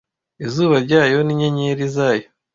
izuba ryayo n'inyenyeri zayo